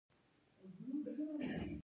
اتنوګراف ته په یوناني ژبه کښي انتوس وايي.